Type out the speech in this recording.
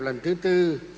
lần thứ tư